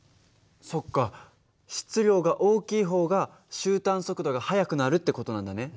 そっか質量が大きい方が終端速度が速くなるって事なんだね。